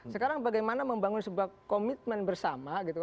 sekarang bagaimana membangun sebuah komitmen bersama gitu